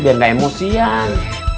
biar gak emosian